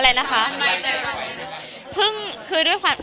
อะไรนะคะ